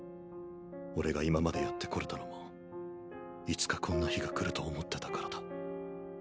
俺が今までやってこれたのもいつかこんな日が来ると思ってたからだ。